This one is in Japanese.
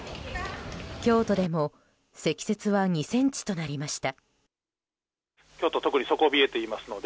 京都でも積雪は２ｃｍとなりました。